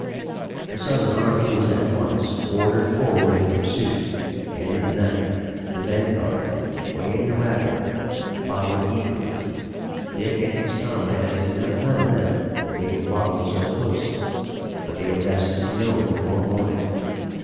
The Southern army was at once ordered forward in pursuit and in the night the vanguard, wading the Rapidan, followed eagerly. Dick and his comrades did not know then that they were followed so closely, but they were destined to know it before morning.